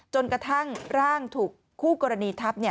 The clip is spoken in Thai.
จนกระทั่งร่างถูกคู่กรณีทับ